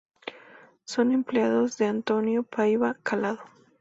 Son empleados de António Paiva Calado.